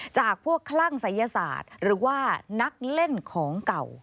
จากพวกคลั่งศัยศาสตร์หรือว่านักเล่นของเก่า